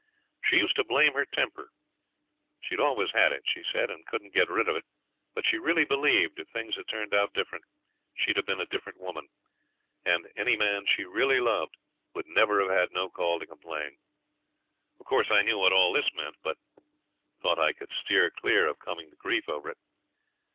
She used to blame her temper; she'd always had it, she said, and couldn't get rid of it; but she really believed, if things had turned out different, she'd have been a different woman, and any man she really loved would never have had no call to complain. Of course I knew what all this meant, but thought I could steer clear of coming to grief over it.